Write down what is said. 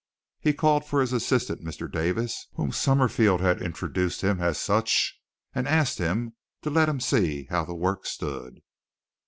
He called for his assistant, Mr. Davis, whom Summerfield had introduced to him as such, and asked him to let him see how the work stood.